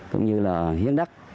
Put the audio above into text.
cũng như là hiến đắc